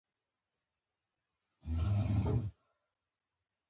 ماشومان خوشحاله شول.